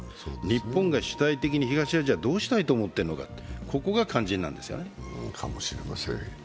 日本が主体的に東アジアどうしたいと思っているのか、ここが肝心なんですよ。